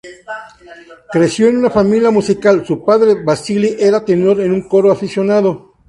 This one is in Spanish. Creció en una familia musical; su padre, Vasile, era tenor en un coro aficionado.